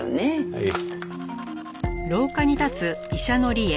はい。